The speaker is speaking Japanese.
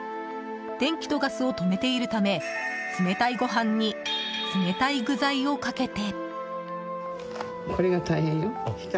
電気とガスを止めているため冷たいご飯に冷たい具材をかけて。